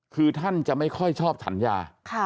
คือท่านจะไม่ค่อยชอบฉันยา